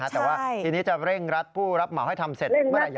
แต่ว่าทีนี้จะเร่งรัดผู้รับเหมาให้ทำเสร็จเมื่อไหร่